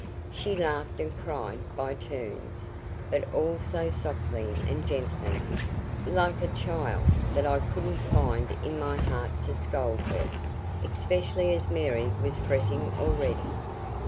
She laughed and cried by turns, but all so softly and gently, like a child, that I couldn't find in my heart to scold her, especially as Mary was fretting already.